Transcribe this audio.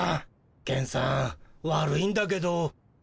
ケンさん悪いんだけどクビ。